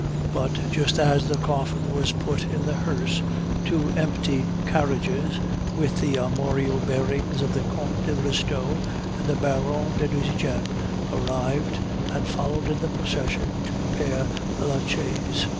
But just as the coffin was put in the hearse, two empty carriages, with the armorial bearings of the Comte de Restaud and the Baron de Nucingen, arrived and followed in the procession to Pere Lachaise.